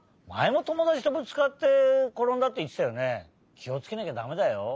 きをつけなきゃだめだよ。